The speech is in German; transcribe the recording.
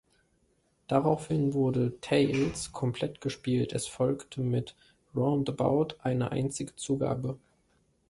Daraufhin wurde "Tales" komplett gespielt, es folgte mit "Roundabout" eine einzige Zugabe.